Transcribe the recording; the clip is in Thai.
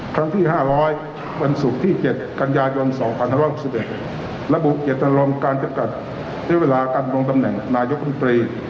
ครั้งที่๕๐๐วันศุกร์ที่๗กันยายน๒๕๖๑ระบุเจตนารมณ์การจำกัดใช้เวลาการลงตำแหน่งนายกรรมตรี